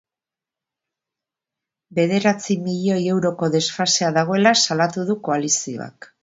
Bederatzi milioi euroko desfasea dagoela salatu du koalizioak.